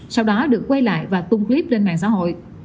sau đó được quay lại và tung clip lên mạng xã hội